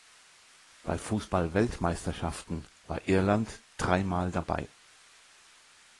Bei Fußball-Weltmeisterschaften war Irland dreimal dabei.